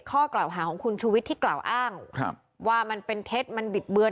ข้อกล่าวหาของคุณชูวิทย์ที่กล่าวอ้างว่ามันเป็นเท็จมันบิดเบือน